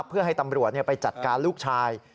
เพื่อให้ตำรวจไปจัดการลูกชาย